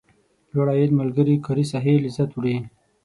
لوړ عاید ملګري کاري ساحې لذت وړي.